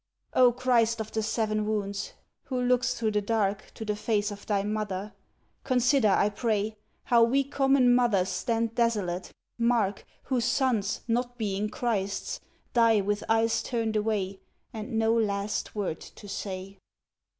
O Christ of the seven wounds, who look'dst through the dark To the face of thy mother! consider, I pray. How we common mothers stand desolate, mark, Whose sons, not being Christs, die with eyes turned away, And no last word to say!